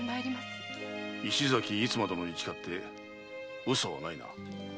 石崎逸馬殿に誓ってウソはないな？